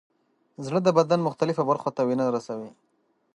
زړه د بدن مختلفو برخو ته وینه رسوي.